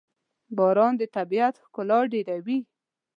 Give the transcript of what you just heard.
باران د طبیعت ښکلا ډېروي.